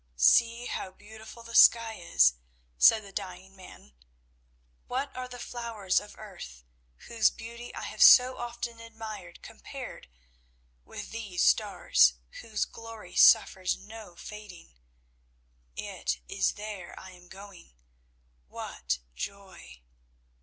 "See how beautiful the sky is!" said the dying man. "What are the flowers of earth whose beauty I have so often admired compared with these stars, whose glory suffers no fading? It is there I am going. What joy!